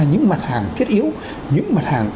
những mặt hàng thiết yếu những mặt hàng